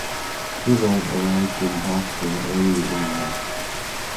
Little arrived in Boston early in life.